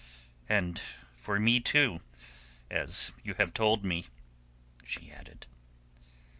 "And for me, too—as you have told me," she added.